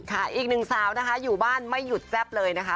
อีกหนึ่งสาวนะคะอยู่บ้านไม่หยุดแซ่บเลยนะคะ